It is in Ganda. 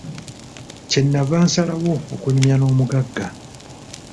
Kye nava nsalawo okunyumya n'omugagga.